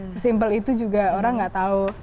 sesimpel itu juga orang nggak tahu